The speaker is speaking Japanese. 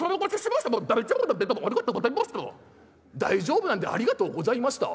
「大丈夫なんでありがとうございました？